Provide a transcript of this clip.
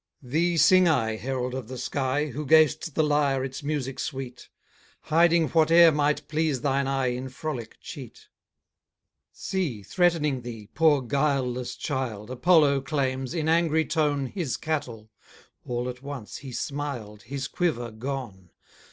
Thee sing I, herald of the sky, Who gav'st the lyre its music sweet, Hiding whate'er might please thine eye In frolic cheat. See, threatening thee, poor guileless child, Apollo claims, in angry tone, His cattle; all at once he smiled, His quiver gone.